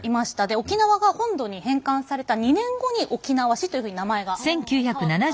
沖縄が本土に返還された２年後に沖縄市というふうに名前が変わったんですけど。